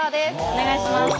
お願いします！